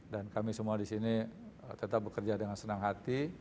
kami semua di sini tetap bekerja dengan senang hati